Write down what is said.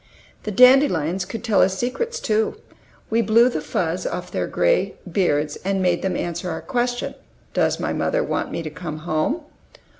The dandelions could tell us secrets, too. We blew the fuzz off their gray beads, and made them answer our question, "Does my mother want me to come home?"